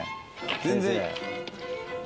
全然。